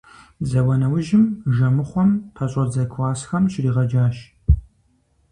Зауэ нэужьым Жэмыхъуэм пэщӏэдзэ классхэм щригъэджащ.